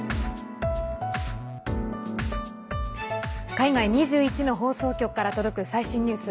海外２１の放送局から届く最新ニュース。